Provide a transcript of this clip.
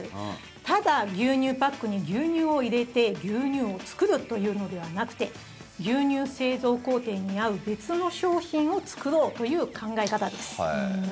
ただ牛乳パックに牛乳を入れて牛乳を作るというのではなくて牛乳製造工程に合う、別の商品を作ろうという考え方です。